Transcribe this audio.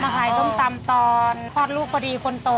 ขายส้มตำตอนคลอดลูกพอดีคนโต